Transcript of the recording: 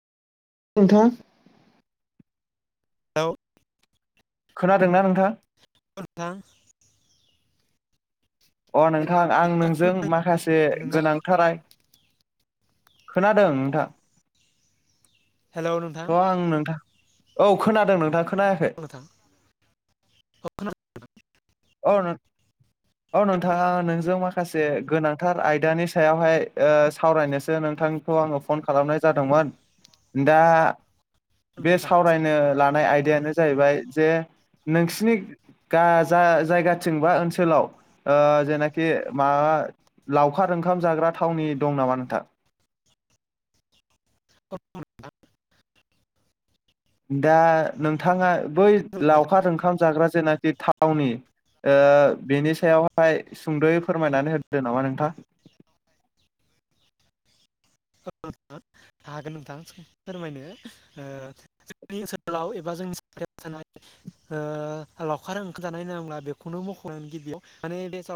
नोंथां। दाउ। खोनादोंना नोंथां। नोंथां। अ नोंथां आं नोंजों माखासे नोंना गोनांथार। खोनादों नोंथां हेलौ नोंथां थ' आं नोंथां। औ खोनादों नोंथांखौ। [unintelligible] औ नों औ नोंथाङा नोंजों माखासे गोनांथार आयदानि सायावहाय ओ सावरायनोसो नोंथां खौ आङो फन खालामनाय जादोंमोन। दा बे नोंथां सावरायनो लानाय आयदायानो जाहैबाय जे नोंसिनि गा जा-जायगाथिं बा ओनसोलाव ओ जेनाखि माबा लावखार ओंखाम जाग्रा थावनि दं नामा नोंथां? [inaudible] औ नोंथां दा नोंथाङा बै लावखार ओंखाम जाग्रा जेनाखि थावनि ओ बेनि सायावहाय सुंद'यै फोरमायनानै होदो नामा नोंथां। [inaudible] ओ हागोन नोंथां फोरमायनो ओ जोंनि ओनसोलाव एबा जोंनि साखाथियाव थानाय ओ लावखार ओंखाम जानाय होनना बुंब्ला बेखौनो [inaudible] माने बे सायाव